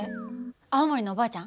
青森のおばあちゃん？